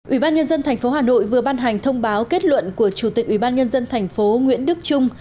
ủy ban nhân dân tp hà nội vừa ban hành thông báo kết luận của chủ tịch ủy ban nhân dân thành phố nguyễn đức trung